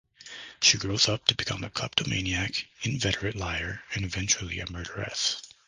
She grows up to become a kleptomaniac, inveterate liar, and eventually a murderess.